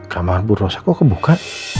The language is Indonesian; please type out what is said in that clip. kamar bu rosa kok kebuka